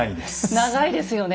長いですよね。